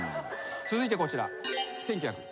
続いてこちら。